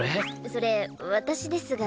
それ私ですが。